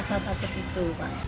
kita ingin merasa takut itu